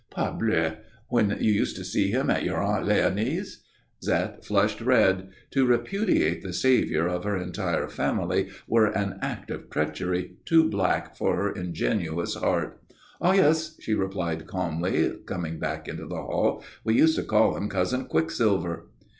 "Parbleu! When you used to see him at your Aunt Léonie's." Zette flushed red. To repudiate the saviour of her entire family were an act of treachery too black for her ingenuous heart. "Ah, yes," she replied, calmly, coming back into the hall. "We used to call him Cousin Quicksilver."